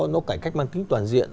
nó cải cách mang tính toàn diện